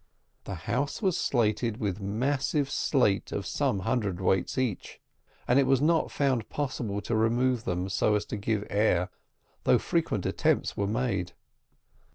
The house was slated with massive slate of some hundredweight each, and it was not found possible to remove them so as to give air, although frequent attempts were made.